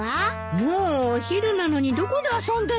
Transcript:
もうお昼なのにどこで遊んでんのかしら？